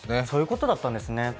そういうことだったんですね。